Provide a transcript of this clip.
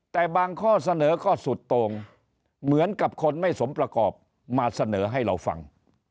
แต่บางข้อเสนอก็สุดตรงเหมือนกับคนไม่สมประกอบมาเสนอให้เราฟัง